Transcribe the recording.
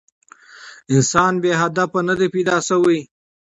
انسان بې هدفه نه دی پيداشوی